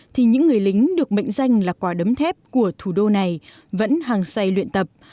thì những người lính được mệnh danh là quả đấm thép của thủ đô này vẫn hàng xay luyện tập